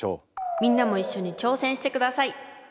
みんなも一緒に挑戦してください。